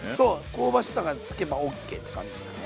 香ばしさがつけばＯＫって感じだね。